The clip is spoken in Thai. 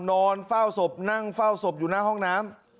นอนเฝ้าศพนั่งเฝ้าศพอยู่หน้าห้องน้ำ